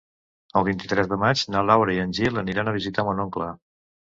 El vint-i-tres de maig na Laura i en Gil aniran a visitar mon oncle.